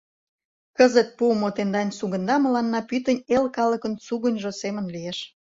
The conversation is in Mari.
Кызыт пуымо тендан сугыньда мыланна пӱтынь эл калыкын сугыньжо семын лиеш.